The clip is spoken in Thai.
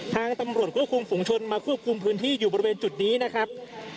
ทางตำรวจควบคุมฝุงชนมาควบคุมพื้นที่อยู่บริเวณจุดนี้นะครับ